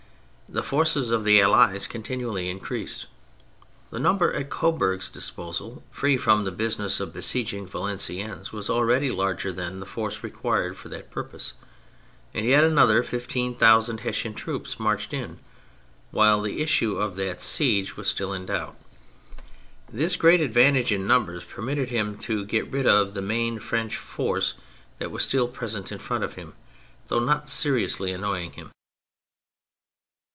The forces of the Allies continually increased. The number at Coburg's disposal free from the business of besieging Valenciennes was already larger than the force required for that purpose. And yet another fifteen thousand Hessian troops marched in while the issue of that siege was in doubt. This great advantage in numbers permitted him to get rid of the main French force that was still present in front of him, though not seriously annoying him.